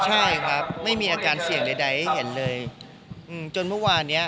ใช่ครับไม่มีอาการเสี่ยงใดให้เห็นเลยอืมจนเมื่อวานเนี้ย